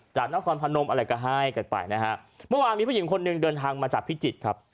จากนครพนมอะไรก็ให้กันไปนะฮะเมื่อวานมีผู้หญิงคนหนึ่งเดินทางมาจากพิจิตรครับ